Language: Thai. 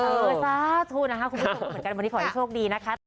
เออสาธุนะคะคุณผู้ชมก็เหมือนกันวันนี้ขอให้โชคดีนะคะ